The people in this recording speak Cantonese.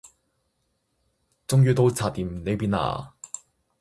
終於都拆掂呢邊喇